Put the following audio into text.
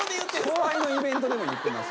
後輩のイベントでも言ってます。